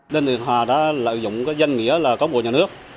đinh thị ngọc hà đã lợi dụng danh nghĩa là cán bộ nhà nước